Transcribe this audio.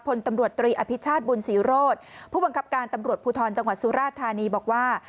พลตำรวจตรีอภิชาติบุญศรีโรธผู้บังคับการตำรวจภูทรจังหวัดสุราธานีบอกว่า